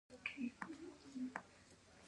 د توت ونه میوه لري